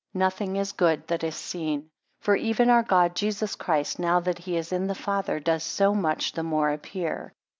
12 Nothing is good, that is seen. 13 For even our God, Jesus Christ, now that he is in the Father, does so much the more appear.